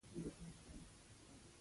رومیان له شیدو سره نه خوري